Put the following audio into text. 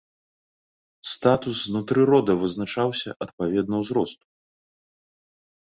Статус знутры рода вызначаўся адпаведна ўзросту.